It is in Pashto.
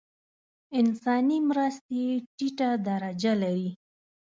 انساني مرستې ټیټه درجه لري.